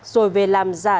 rồi về làm giải quyết